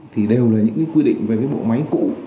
thì đều là những quy định về bộ máy cũ